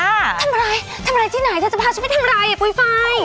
ทำอะไรทำอะไรที่ไหนเธอจะพาฉันไปทำอะไรอ่ะปุ๋ยไฟ